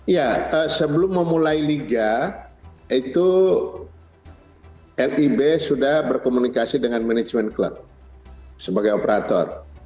ya sebelum memulai liga itu lib sudah berkomunikasi dengan manajemen klub sebagai operator